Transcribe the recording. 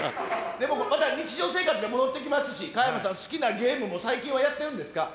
でもまた日常生活戻ってきますし、加山さん、好きなゲームも最近やってるんですか。